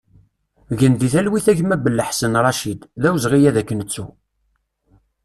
Gen di talwit a gma Bellaḥsen Racid, d awezɣi ad k-nettu!